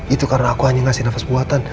itu karena aku hanya ngasih nafas buatan